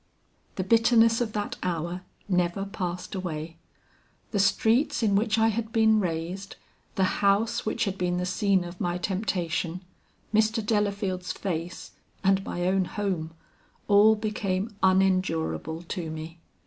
"The bitterness of that hour never passed away. The streets in which I had been raised, the house which had been the scene of my temptation, Mr. Delafield's face, and my own home, all became unendurable to me.